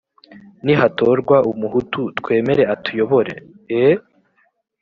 nihatorwa umuhutu twemere atuyobore. eeee!